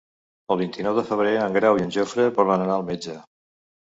El vint-i-nou de febrer en Grau i en Jofre volen anar al metge.